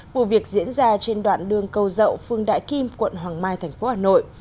vụ việc diễn ra trên đoạn đường câu dậu phương đại kim quận hoàng mai thành phố hà nội